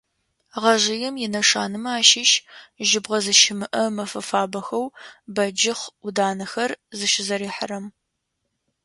Гъэжъыем инэшанэмэ ащыщ жьыбгъэ зыщымыӏэ мэфэ фабэхэу бэджыхъ ӏуданэхэр зыщызэрихьэрэм.